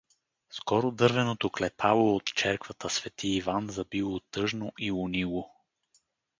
Скоро дървеното клепало от черквата „Св. Иван“ забило тъжно и унило.